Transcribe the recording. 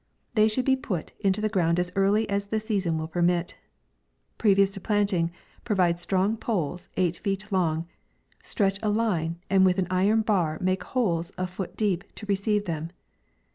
They should be put into the ground as early as the season wilJ permit. Previous to planting, provide strong poles, eight feet long ; stretch a line, and with an iron bar make holes a foot deep to receive them.